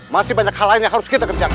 masih banyak hal lain yang harus kita kerjakan